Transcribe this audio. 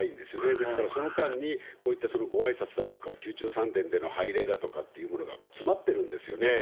ですからその間に、こういったごあいさつだとか宮中三殿での拝礼だとかというものが詰まってるんですよね。